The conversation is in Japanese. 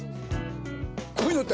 こういうのって